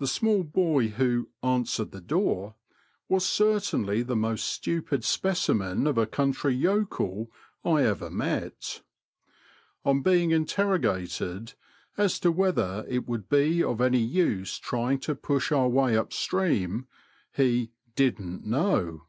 The small boy who answered the door "was certainly the most stupid specimen of a country yokel I ever met. On being interro gated as to whether it would be of any use trying to push our way up stream, he "didn't know."